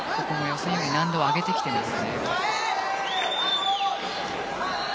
予選より難度を上げてきていますね。